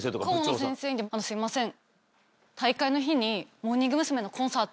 顧問の先生にすいません。